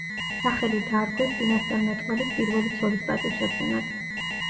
სახელი დაარქვეს წინასწარმეტყველის პირველი ცოლის პატივსაცემად.